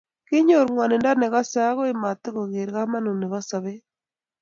Kinyor gwonindo negase ago matigogeer kamanut nebo sobet